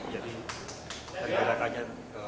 jadi tergerak aja